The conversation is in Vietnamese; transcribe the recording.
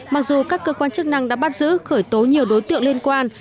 mặc dù các cơ quan chức năng đã bắt giữ khởi tố nhiều đối tượng liên quan